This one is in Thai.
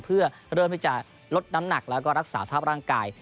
เพื่อเริ่มที่จะลดน้ำหนักแล้วก็รักษาสภาพร่างกาย